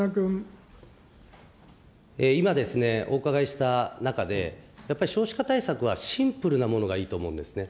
今、お伺いした中で、やっぱり少子化対策はシンプルなものがいいと思うんですね。